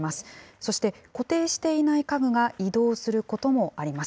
そして固定していない家具が移動することもあります。